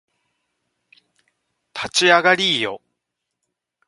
立ち上がりーよ